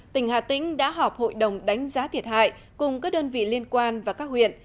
tỉnh hà tĩnh đã họp hội đồng đánh giá thiệt hại cùng các đơn vị liên quan và các huyện